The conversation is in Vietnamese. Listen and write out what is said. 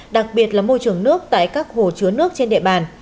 đặc biệt là môi trường nước tại các hồ chứa nước trên địa bàn